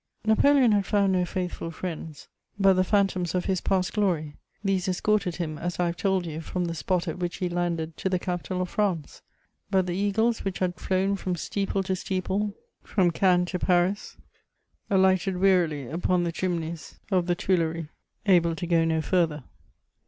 * Napoleon had found no faithful friends, but the phantoms of his past glory; these escorted him, as I have told you, from the spot at which he landed to the capital of France. But the eagles which had "flown from steeple to steeple" from Cannes to Paris alighted wearily upon the chimneys of the Tuileries, able to go no further.